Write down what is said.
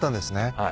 はい。